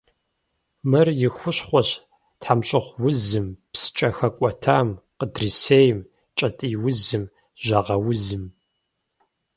Мыр и хущхъуэщ тхьэмщӏыгъуузым, псчэ хэкӏуэтам, къыдрисейм, кӏэтӏийузым, жьагъэузым.